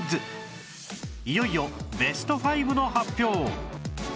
いよいよベスト５の発表